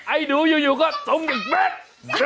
ไอ่ดูยังอยู่ก็ดูแคมปะ